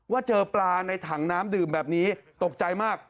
เจอปลาในถังน้ำดื่มแบบนี้ตกใจมาก